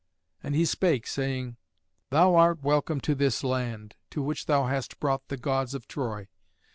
And he spake, saying, "Thou art welcome to this land, to which thou hast brought the Gods of Troy.